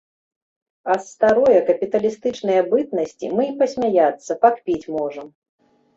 А з старое, капіталістычнае бытнасці мы і пасмяяцца, пакпіць можам.